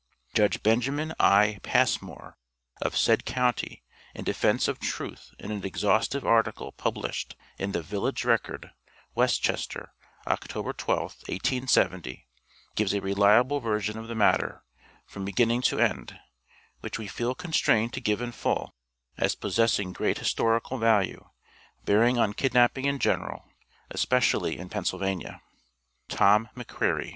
Judge Benjamin I. Passmore, of said county, in defence of truth in an exhaustive article published in the "Village Record," West Chester, Oct. 12th, 1870, gives a reliable version of the matter, from beginning to end, which we feel constrained to give in full, as possessing great historical value, bearing on kidnapping in general, especially in Pennsylvania. TOM M'CREARY.